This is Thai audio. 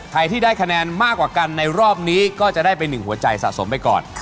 ใครที่ได้คะแนนมากกว่ากันในรอบนี้ก็จะได้ไปหนึ่งหัวใจสะสมไปก่อน